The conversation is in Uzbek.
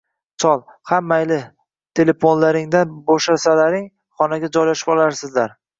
Chol: xa mayli, teleponlaringdan bo’shasalaring, xonalarga joylashib olarsilar...